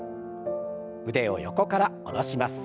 腕を横から下ろします。